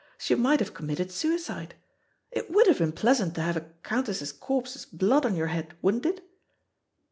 She might have committed suicide. It would have been pleasant to have a countess's corpse's blood on your head, wouldn't it?"